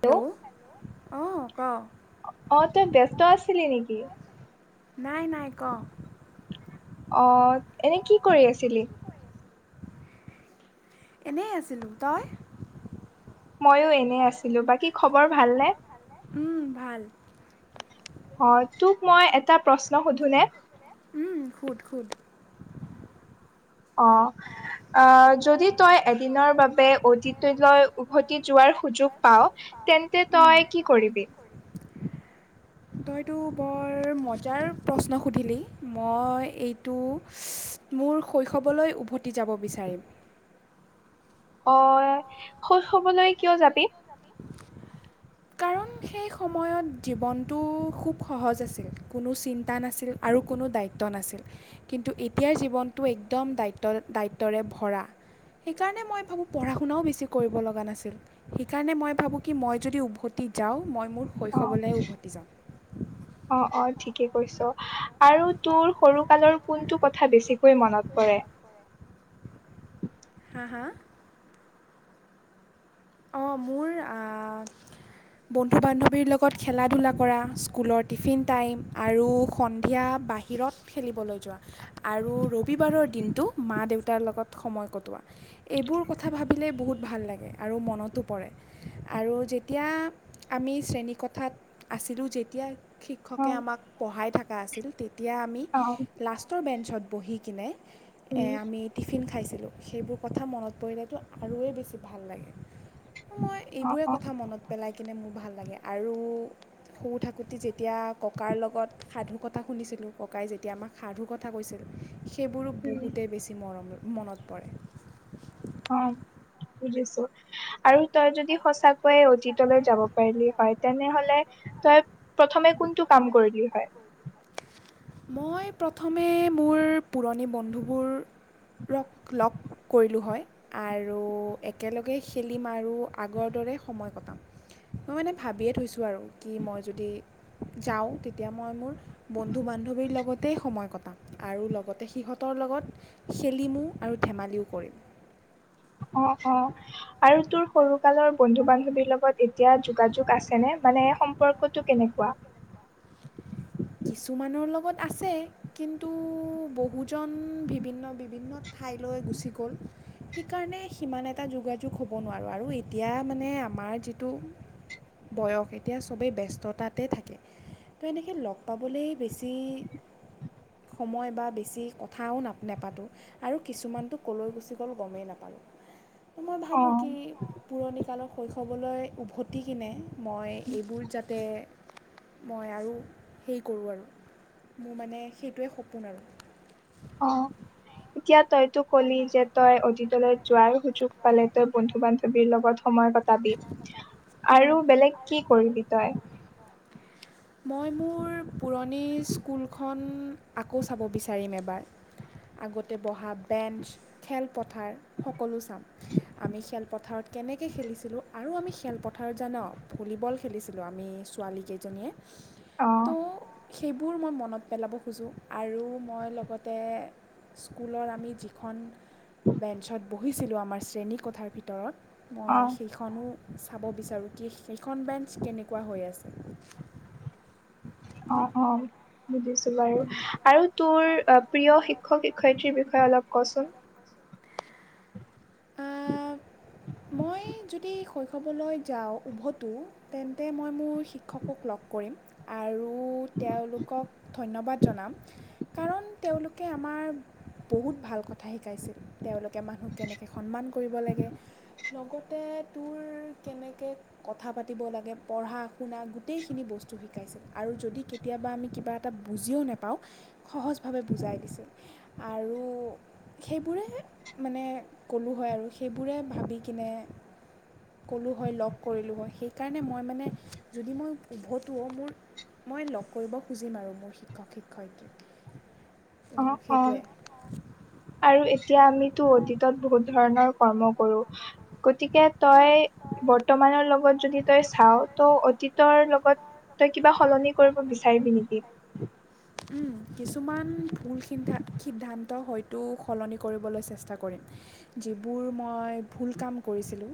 Hello অ তই ব্যস্ত আছিলি নেকি? নাই -নাই অ' এনে কি কৰি আছিলি? এনেই আছিলো তই? ময়ো এনেই আছিলোঁ বাকী খবৰ ভালনে? অ' তোক মই এটা প্ৰশ্ন সুধোনে? উম সোধ সোধ অ' আহ যদি তই এদিনৰ বাবে অতিতলৈ উভতি যোৱাৰ সুযোগ পাৱও তেন্তে তই কি কৰিবি। বৰ মজাৰ প্ৰশ্ন সুধিলি মই এইটো মোৰ শৈশৱলৈ উভতি যাব বিচাৰিম। অ' শৈশৱলৈ কিয় যাবি। কাৰণ সেই সময়ত জীৱনটো খুব সহজ আছিল কোনো চিন্তা নাছিল আৰু কোনো দায়িত্ব নাছিল কিন্তু এতিয়াৰ জীৱনটো একদম দায়িত্ব দায়িত্বৰে ভৰা সেইকাৰণে মই ভাবোঁ পঢ়া শুনাও বেছি কৰিব লগা নাছিল সেইকাৰণে মই ভাবোঁ কি মই যদি উভতি যাওঁ। মই মোৰ শৈশৱলৈ উভতি যাম। ঠিকেই কৈছ আৰু তোৰ সৰু কালৰ কোনটো কথা বেছিকৈ মনত পৰে। হা- হা অ' মোৰ বন্ধু বান্ধৱীৰ লগত খেলা ধূলা কৰা স্কুলৰ টিফিন টাইম আৰু সন্ধিয়া বাহিৰত খেলিবলৈ যোৱা আৰু ৰবিবাৰৰ দিনটো। মা দেউতাৰ লগত সময় কটোৱা এইবোৰ কথা ভাবিলে বহুত ভাল লাগে আৰু মনতো পৰে আৰু যেতিয়া আমি শ্ৰেণীকথাত আছিলোঁ যেতিয়া শিক্ষকে আমাক পঢ়াই থাক কা আছিল তেতিয়া তেতিয়া আমি লাষ্টৰ বেঞ্চত বহি কিনে আমি টিফিন খাইছোঁ ছিলোঁ সেইবোৰ কথা মনত পৰিলেো আৰুেই বেছি ভাল লাগে মই এইবোৰে কথা মনত পেলাই থ কিনে মোৰ ভাল লাগে আৰু সৰু থাকোঁতে যেতিয়া ককাৰ লগত সাধু কথা শুনিছিলোঁ ককাই যেতিয়া আমাক সাধু কথা কৈছিল সেইবোৰো বহুতেই বেছি মৰমৰ মনত পৰে অ বুজিছো আৰু তই যদি সঁচাকৈয়ে অতীতলৈ যাব পাৰিলি হয় তেনেহলে তই প্ৰথমে কোনটো কাম কৰিলি হয় মই প্ৰথমে মোৰ পুৰণি বন্ধুবোৰ ৰক লগ কৰিলোঁ হয় আৰু একেলগে খেলিম আৰু আগৰ দৰে সময় কটাম মই মানে ভাবিয়ে থৈছোঁ আৰু কি মই যদি যাওঁ তেতিয়া মই মোৰ বন্ধু বান্ধৱ পান্ধৱীৰ লগতে সময় কথা আৰু লগতে সিহঁতৰ লগত খেলিমো আৰু ধেমালিও কৰিম অ অ আৰু তোৰ সৰু কালৰ বন্ধু বান্ধৱীৰ লগত এতিয়া যোগাযোগ আছেনে মানে এই সম্পৰ্কটো কেনেকুৱা কিছুমানৰ লগত আছে কিন্তু বহুজন বিভিন্ন বিভিন্ন ঠাইলৈ গুচি গ'ল সেইকাৰণে সিমান এটা যোগাযোগ হ'ব নোৱাৰোঁ আৰু এতিয়া মানে আমাৰ যিটো বয়স এতিয়া সবেই ব্যস্ততাতে থাকে তো এনেকৈ াপাবলৈ বেছি সময় বা বেছি কথাও ন নাপাতোঁ আৰু কিছুমানতটো ক'লৈ গুচি গ'ল গমেই নাপালোঁ মই ভাবোঁ কি পুৰণিিকালত শৈশৱলৈ উভতি কিনে মই এইবোৰ যাতে মই আৰু হেইৰি কৰোঁ আৰু মোৰ মানে সেইটোৱে সপোন আৰু অ এতিয়া তই ক'লি যে তই অতীতলৈ যোৱাৰ সুযোগ পালে তই বন্ধু বান্ধৱী ৰ লগত সময় কটাবি আৰু বেলেগ কি কৰিবি তই মই মোৰ পুৰণি স্কুলখন আকৌ চাব বিচাৰিম এবাৰ আগতে বহা বেঞ্চ খেল পথাৰ সকলো চাম, আমি খেলপথাৰত কেনেকৈ খেলি ছিলোঁ আৰু আমি খেলপথাৰত জানো ভলীবল খেলিছিলোঁ আমি ছোৱালী কেইজনীয়ে। তো সেইবোৰ মই মনত পেলাব খোজোঁ আৰু মই লগতে স্কুলৰ আমি যিখন বেঞ্চত বহিছিলোঁ আমাৰ শ্ৰেণীকোথাৰ ভিতৰত। মই চাব বিচাৰোঁ কি সেইখন বেঞ্চ কেনেকুৱা হৈ আছে। আহ আহ। বুজিছো বাৰু আৰু তোৰ অ প্ৰিয় শিক্ষক শিক্ষয়িত্ৰীৰ বিষয়ে অলপ কচোন। মই যদি শৈশৱলৈ যাওঁ, উভতো তেন্তে মই মোৰ শিক্ষকক লগ কৰিম আৰু তেওঁলোকক ধন্যবাদ জনাম কাৰণ তেওঁলোকে আমাৰ বহুত ভাল কথা শিকাইছিল। তেওঁলোকে মানুহক কেনেকৈ সন্মান কৰিব লাগে? লগতে তোৰ কেনেকৈ কথা পাতিব লাগে, পঢ়া শুনা গোইখিনি বস্তু শিক শিকাইছিল আৰু যদি কেতিয়াবা আমি কিবা এটা বুজিও নাপাওঁ সহজভাৱে বুজাই দিছিল। আৰু সেইবোৰে মানে ক'লোঁ হয় আৰু সেইবোৰে ভাবি কিনে ক'লোঁ হয় লগ কৰিলোঁ হয় সেইকাৰণে মই মানে যদি মই উভতোও মোৰ মই লগ কৰিব খুজিম আৰু মোৰ শিক্ষক শিক্ষয়িত্ৰী। অ অ আৰু এতিয়া আমিতো অতীতত বহুত ধৰণৰ কৰ্ম কৰো। গতিকে তই বৰ্তমানৰ লগত যদি তই চাও তই অতীতৰ লগত তই কিবা সলনি কৰিব বিচাৰিবি নেকি? কিছুমান ভুল সিদ্ধা সিদ্ধান্ত হয়তো সলনি কৰিবলৈ চেষ্টা কৰিম, যিবোৰ মই ভুল কাম কৰিছিলোঁ।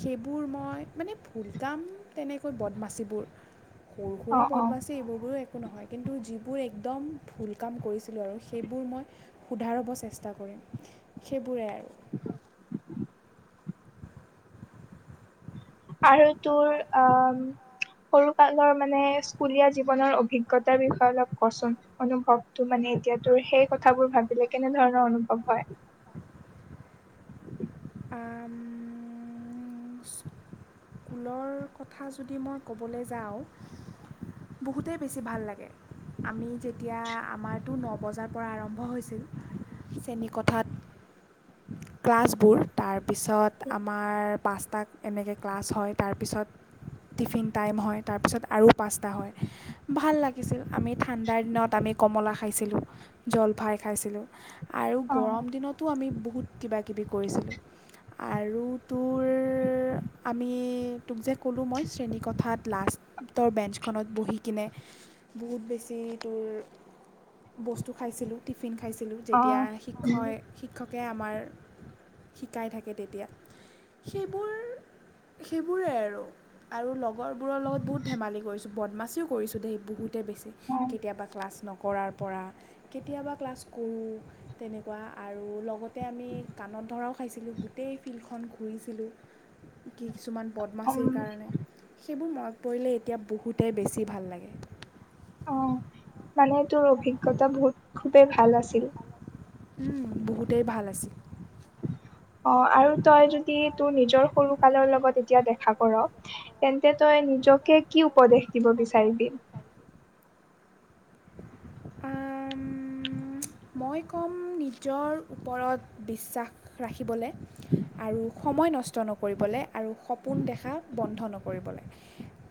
সেইবোৰ মই মানে ভুলকাম তেনেকৈ বদমাচিবোৰ। সৰু সুৰা বদমাচি এইবোৰবোৰৰো একো নহয়, কিন্তু যিবোৰ এক একদম ভুল কাম কৰিছিলোঁ আৰু সেইবোৰ মই শুধাৰব চেষ্টা কৰিম। সেইবোৰে [unintelligible] আৰু তোৰ আহ সৰু কালৰ মানে স্কুলীয়া জীৱনৰ অভিজ্ঞতাৰ বিষয়ে অলপ কচোন অনুভৱটো মানে এতিয়া তোৰ সেই কথাবোৰ ভাবিলে কেনে ধৰণৰ অনুভৱ হয়। আ উম স্কুলৰ কথা যদি মই ক'বলৈ যাওঁ বহুতেই বেছি ভাল লাগে আমি যেত এতিয়া আমাৰতো ন বজাত পৰা আৰম্ভ হৈছে। চিল। হঠাৎ ক্লাছবোৰ তাৰপিছত আমাৰ পাঁচটাক এনেকৈ ক্লাছ হয়, তাৰপিছত টিফিন টাইম হয়। তাৰপিছত আৰু পাঁচটা হয় ভাল লাগিছিল আমি ঠাণ্ডাৰ দিনত আমি কমলা খাইছিলোঁ। জলফাই খাইছিলোঁ। আৰু গৰম দিনতো আমি ব কিবা-কিবি কৰিছিলোঁ আৰু তোৰ আমি তোক যে ক'লোঁ মই শ্ৰেণীকথাত লাষ্টৰ বেঞ্চখনত বহি কিনে বহুত বেছি তোৰ বস্তু খাইছিলোঁ। ফিন খাইছিলোঁ যেতিয়া শিক্ষয়-শিক্ষক, তে আমাৰ শিকাই থাকে তেতিয়া সেইবোৰ-সেইবোৰেই আৰু-আৰু লগ লগৰবোৰৰ লগত বহুত ধেমালি কৰিছোঁ। বদমাচিও কৰিচো দেই বহুত। বেছি কেতিয়াবা ক্লাছ নক কৰাৰ পৰা কেতিয়াবা ক্লাছ কৰোঁ। তেনেকুৱা আৰু লগত, তে আমি পানত ধৰাও খাইছিলো গোটেই। খন ঘূৰিছিলোঁ কিছুমান বদমাচিৰ কাৰণে সেইবোৰ ম পৰিলে এতিয়া বহুতেই বেছি ভাল লাগে। অ মানে তোৰ অভিজ্ঞতা বহুত খুবেই ভাল আছিল। অহ আৰু তই যদি তোৰ নিজৰ সৰু কালৰ লগত এতিয়া দেখা কৰ তেন্তে তই নিজকে কি উপদেশ দিব বিচাৰিবি। উম, অ [inaudible] মই ক'ম নিজৰ ওপৰত বিশ্বাস ৰাখিবলে। আৰু সময় নষ্ট ষ্ট নকৰিবলে আৰু সপোন দেখা বন্ধ নকৰিবলৈ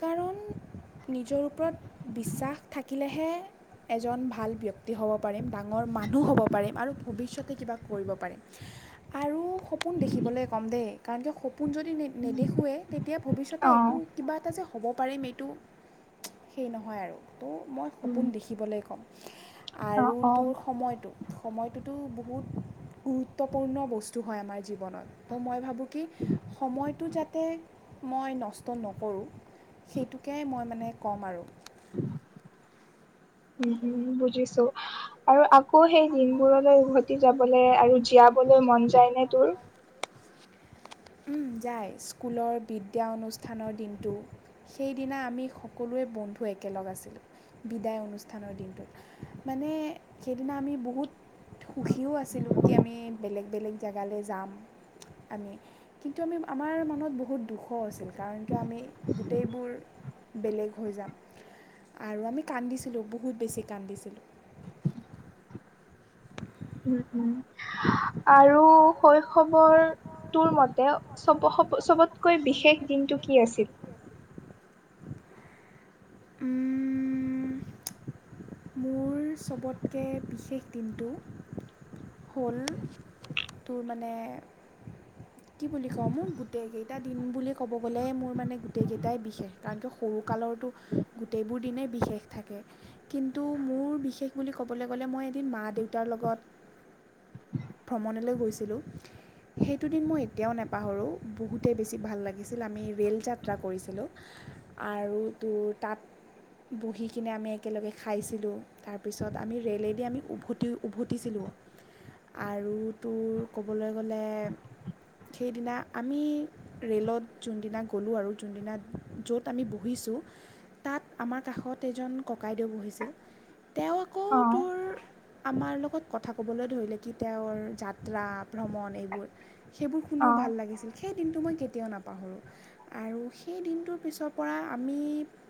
কাৰণ নিজৰ ওপৰত বিশ্বাস থাকিলেহে এজন ভাল ব্যক্তি হ'ব পাৰিম। বা মই মানুহ হব পাৰিম আৰু ভৱিষ্যতে কিবা কৰিব পাৰিম। আৰু সপোন দেখিবলে কম দেই কাৰণ দেই সপোন যদি নেদেখুৱৱে তেতিয়া ভৱিষ্যতে একো কিবা এটা যে হ'ব পাৰিম এইটো সেই নহয় আৰু। তো মই সপোন দেখিবলৈ ক'ম। আৰু তোৰ সময়টো-সময়টোতো' বহুত গুৰুত্বপূৰ্ণ বস্তু হয় আমাৰ জীৱনত তো মই ভাবোঁ কি সময়টো যাতে তো মই নষ্ট নকৰোঁ সেইটোকে মই মানে ক'ম আৰু। উম হম বুজিছো আৰু আ। আকৌ সেই দিনবোৰলৈ উভতি যাবলৈ আৰু ই মন যায়নে তোৰ যায় স্কুলৰ বিদ্যা অনুষ্ঠানৰ দিনটো সেইদিনা আমি সকলোৱে বন্ধু একেলগ আছিলোঁ বিদায় অনুষ্ঠানৰ দিনটোত মানে সেইদিনা আমি বহুত সুখীও আছিলোঁ কি আমি বেলেগ বেলেগ জেগালৈ যাম আমি কিন্তু আমি আমাৰ মনত বহুত দুখ আছিল কাৰণ কিয় আমি গোটেইবোৰ বেলেগ হৈ যাম আৰু আমি কান্দিছিলোঁ বহুত বেছি কান্দিছিলোঁ। আৰু শৈশৱৰটোৰ মতে চবতকৈ বিশেষ দিনটো কি আছিল। উম মোৰ চবতকৈ বিশেষ দিনটো হ'ল তোৰ মানে [unintelligible] কি বুলি কওঁ মোক গোটেইকেইটাত দিন বুলি ক'ব গ'লে মোৰ মানে গোটেইকেইটাই বিশেষ কাৰণ কিয় সৰুকালৰতো গোটেইবোৰ দিনেই বিশেষ থাকে কিন্তু মোৰ বিশেষ বুলি ক'বলৈ গ'লে মই এদিন মা দেউতাৰ লগত ভ্ৰমণলৈ গৈছিলোঁ সেইটো দিন মই এতিয়াও নাপাহৰোঁ বহুতেই বেছি ভাল লাগিছিল আমি ৰে'ল যাত্ৰা কৰিছিলোঁ আৰু তো তাত বহি কিনে আমি একেলগে খাইছিলোঁ তাৰপিছত আমি ৰেলেদি আমি উভ উভতিছিলোঁ আৰু তোৰ ক'বলৈ গ'লে সেইদিনা আমি ৰে'লত যোনদিনা গ'লোঁ আৰু যোনদিনা য'ত আমি বহিছোঁ তাত আমাৰ কাষত এজন ককাইদেউ বহিছিল তেওঁ আকৌ তোৰ আমাৰ লগত কথা ক'বলৈ ধৰিলে কি তেওঁৰ যাত্ৰা ভ্ৰমণ এইবোৰ সেইবোৰ শুনিও ভাল লাগিছিল সেই সেই দিনটো মই কেতিয়াও নাপাহৰোঁ আৰু সেই দিনটোৰ পিছৰ পৰা আমি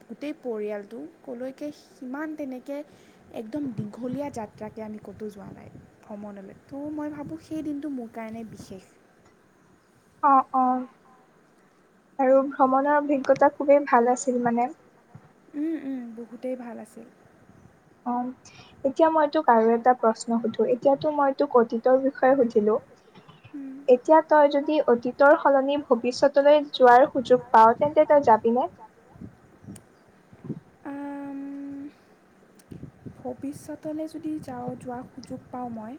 গোটেই পৰিয়ালটো ক'লৈকে সিমান তেনেকৈ একদম দীঘলীয়া যাত্ৰাকৈ আমি ক'তো যোৱা নাই ভ্ৰমণলৈ ত' মই ভাবোঁ সেই দিনটো মোৰ কাৰণে বিশেষ অ অ আৰু ভ্ৰমণৰ অভিজ্ঞতা খুবেই ভাল আছিল মানে উমম বহুতেই ভাল আছিল অ এতিয়া মই তোক আৰুো এটা প্ৰশ্ন সুধো এতিয়াতো মই তোক অতীতৰ বিষয়ে সুধিলো এতিয়া তই যদি অতীতৰ সলনি ভৱিষ্যতলৈ যোৱাৰ সুযোগ পাৱ তেন্তে তই যাবিনে ভৱিষ্যতলৈ যদি যাওঁ যোৱাৰ সুযোগ পাওঁ মই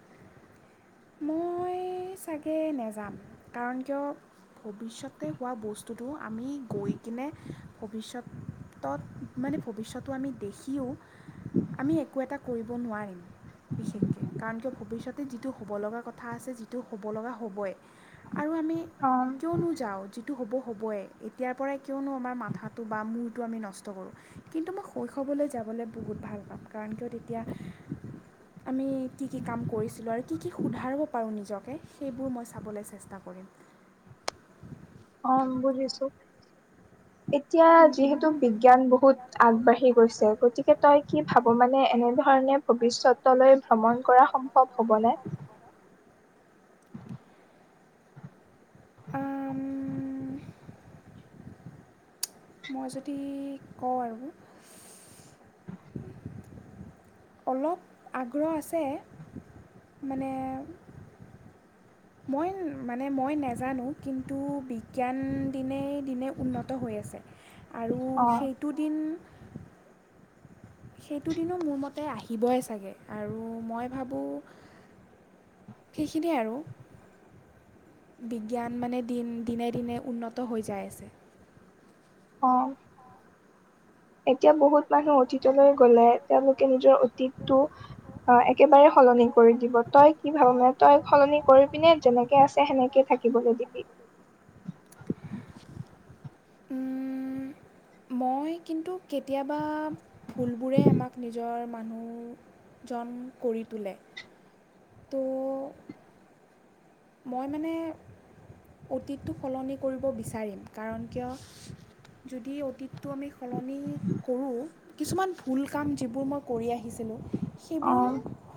মই চাগে নেযাম কাৰণ কিয় ভৱিষ্যতে হোৱা বস্তুটো আমি গৈ কিনে ভৱিষ্যতত মানে ভৱিষ্যতটো আমি মানে দেখিও আমি একো এটা কৰিব নোৱাৰিম বিশেষকে কাৰণ কিয় ভৱিষ্যত যিটো হ'ব লগা কথা আছে যিটো হ'ব লগা হ'বই আৰু আমি কিয়নোযাওঁ যাওঁ। টো হ'ব হ'বই এতিাৰ পৰাই কিয়নো আমাৰ মাথাটো বা মূৰটো আমি নষ্ট কৰোঁ কিন্তু মই শৈশৱলৈ যাবলৈ বহুত ভাল পাাম কাৰণ কিয়দি এতিয়া আমি কি কি কাম কৰিছিলোঁ আৰু কি কি শুধৰাব পাৰোঁ নিজক সেইবোৰ মই চাবলৈ চেষ্টা কৰিম অম বোজিছো এতিয়া যিহেতু বিজ্ঞান বহুত আগবাঢ়ি গৈছে। গতিকে তই কি ভাব মানে এনেধৰণে ভৱিষ্যতলৈ ভ্ৰমণ কৰা সম্ভৱ হবনে? মই যদি কওঁ আৰু অলপ আগ্ৰহ আছে। মানে মই মানে মই নাজানো, কিন্তু বিজ্ঞান দিনে দিনে উন্নত হৈ আছে। আৰু সেইটো দিন সেইটো দিনো মোৰ মতে আহিবই চাগে। আৰু মই ভাবোঁ সেইখিনিয়ে আৰু। বিজ্ঞান মানে দিন দিনে দিনে উন্নত হৈ যাই আছে। অহ '। এ এতিয়া বহুত মানুহ অতীতলৈ গলে তেওঁলোকে নিজৰ অতীতটো আহ একেবাৰে সলনি কৰি দিব। তই কি ভাব মান তই সলনি কৰি পিনে যেনেকে আছে সেনেকে থাকিবলৈ দিবি? মই কিন্তু কেতিয়াবা ভুলবোৰেই আমাক নিজৰ মানুহজন কৰি তোলে। ত' মই মানে অতীতটো সলনি কৰিব বিচাৰিম। কাৰণ কিয় যদি অতীত টো আমি সলনি কৰোঁ কিছুমান ভুল কাম যিবোৰ মই কৰি আহিছো সেইবোৰ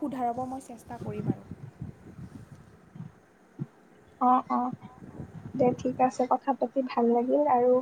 শুধৰাব মই চেষ্টা কৰিম আৰু। অ, অ, দে ঠিক আছে কথা পাতি ভাল লাগিল আৰু